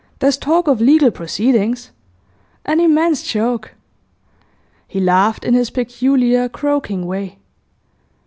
There's talk of legal proceedings. An immense joke!' He laughed in his peculiar croaking way.